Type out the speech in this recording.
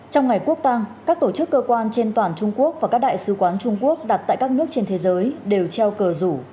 trong ngày quốc tàng các tổ chức cơ quan trên toàn trung quốc và các đại sứ quán trung quốc đặt tại các nước trên thế giới đều treo cờ rủ